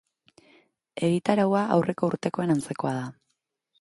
Egitaraua aurreko urtekoen antzekoa da.